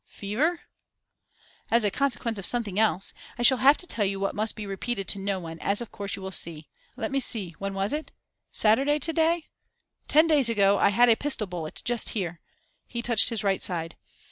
'Fever?' 'As a consequence of something else. I shall have to tell you what must be repeated to no one, as of course you will see. Let me see, when was it? Saturday to day? Ten days ago, I had a pistol bullet just here,' he touched his right side.